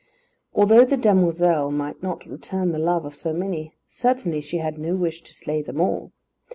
Although the demoiselle might not return the love of so many, certainly she had no wish to slay them all.